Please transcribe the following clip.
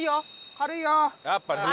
軽いよ！